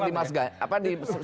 jadi bukan sempalan ya